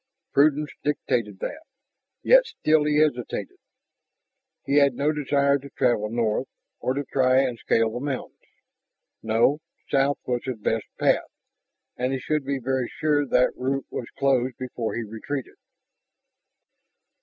Prudence dictated that; yet still he hesitated. He had no desire to travel north, or to try and scale the mountains. No, south was his best path, and he should be very sure that route was closed before he retreated.